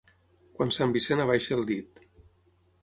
Quan Sant Vicent abaixi el dit.